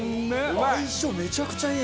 相性めちゃくちゃいい！